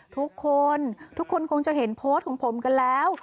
ทุกคนทุกคนคงจะเห็นโพสต์ของผมกันแล้ว